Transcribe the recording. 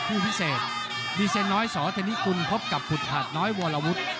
ผู้พิเศษดีเซน้อยสอเทนิกุลพบกับขุดหัดน้อยวรวุฒิ